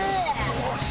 よし！